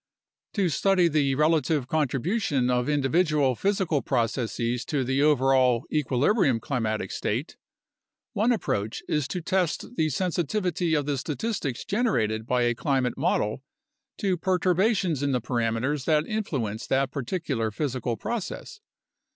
To study the relative contribution of individual physical processes to the overall "equilibrium" climatic state, one approach is to test the sensitivity of the statistics generated by a climate model to perturbations in the parameters that influence that particular physical process.